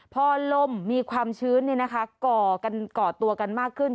พอลมมีความชื้นก่อตัวกันมากขึ้น